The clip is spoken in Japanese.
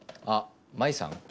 あっ真衣さん？